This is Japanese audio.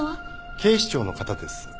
警視庁の方です。